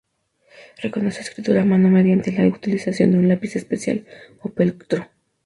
Reconoce escritura a mano mediante la utilización de un lápiz especial o plectro.